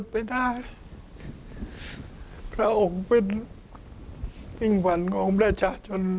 พระองค์เป็นทิ้งฝันขององค์ประชาชน